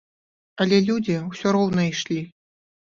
Але людзі ўсё роўна ішлі.